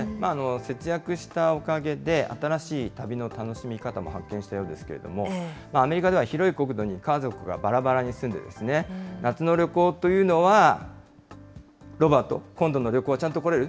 節約したおかげで新しい旅の楽しみ方も発見したようですけれども、アメリカでは広い国土に家族がばらばらに住んで、夏の旅行というのは、ロバート、今度の旅行、ちゃんと来れる？